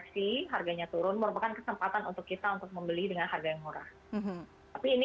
sih harganya turun merupakan kesempatan untuk kita untuk membeli dengan harga yang murah tapi ini